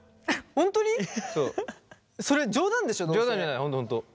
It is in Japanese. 本当本当。